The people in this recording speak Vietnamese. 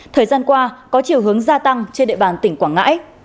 thời gian qua có chiều hướng gia tăng trên địa bàn tỉnh quảng ngãi